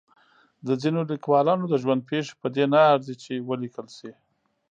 د ځینو لیکوالانو د ژوند پېښې په دې نه ارزي چې ولیکل شي.